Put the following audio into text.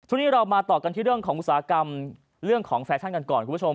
ทุกหนีเรามาต่อกันที่เรื่องของฟาชั่นกันก่อนคุณผู้ชม